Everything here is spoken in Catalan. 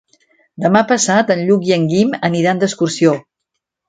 Demà passat en Lluc i en Guim aniran d'excursió.